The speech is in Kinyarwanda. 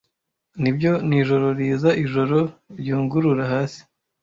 nibyo ni ijoro riza ijoro ryungurura hasi